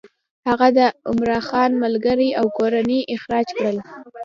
هغه د عمرا خان ملګري او کورنۍ اخراج کړل.